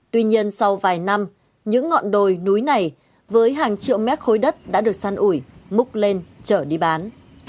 tuy nhiên sau vài năm những ngọn đồi núi này với hàng triệu mét khối đất đã được săn ủi múc lên trở đi bán